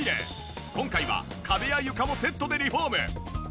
今回は壁や床もセットでリフォーム。